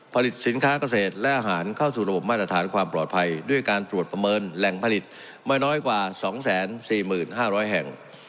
ผลิตสินค้าเกษตรและอาหารเข้าสู่ระบบมาตรฐานความปลอดภัยด้วยการตรวจประเมินแหล่งผลิตไม่น้อยกว่า๒๔๕๐๐แห่ง